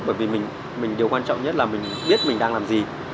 bởi vì điều quan trọng nhất là mình biết mình đang làm gì